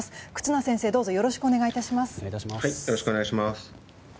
忽那先生、どうぞよろしくお願い致します。